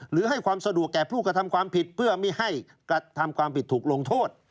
หรือให้ความสะดวกแก่ผู้กระทำความผิดเพื่อไม่ให้กระทำความผิดถูกลงโทษ